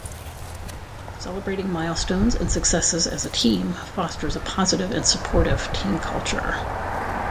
Celebrating milestones and successes as a team fosters a positive and supportive team culture.